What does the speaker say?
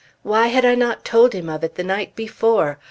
Why had I not told him of it the night before?